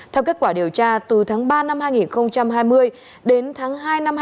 theo kết quả điều tra từ tháng ba năm hai nghìn hai mươi đến tháng hai năm hai nghìn hai mươi